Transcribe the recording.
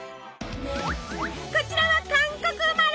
こちらは韓国生まれ。